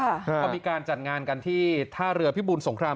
เขามีการจัดงานกันที่ท่าเรือพิบูลสงคราม